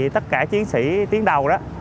tất cả chiến sĩ tiến đầu